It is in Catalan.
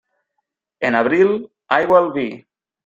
En abril, aigua al vi.